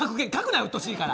うっとうしいから。